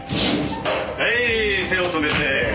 はい手を止めて。